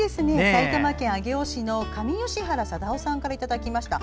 埼玉県上尾市の上吉原貞夫さんからいただきました。